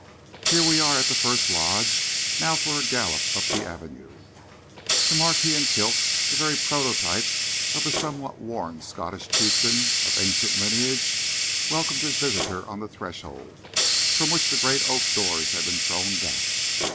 "Here we are at the first lodge. Now for a gallop up the avenue." The Marquis in kilts, the very prototype of the somewhat worn Scottish chieftain of ancient lineage, welcomed his visitor on the threshold, from which the great oak doors had been thrown back.